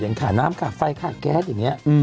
อย่างขาดน้ำขาดไฟขาดแก๊สอย่างนี้